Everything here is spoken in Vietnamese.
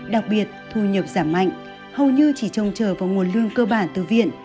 đặc biệt thu nhập giảm mạnh hầu như chỉ trông chờ vào nguồn lương cơ bản từ viện